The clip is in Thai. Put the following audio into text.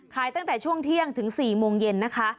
ตั้งแต่ช่วงเที่ยงถึง๔โมงเย็นนะคะ